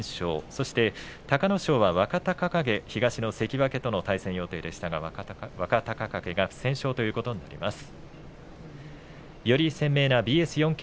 そして隆の勝は若隆景東の関脇との対戦予定でしたが若隆景が不戦勝ということになります。